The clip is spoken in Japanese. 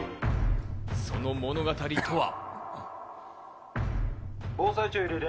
その物語とは？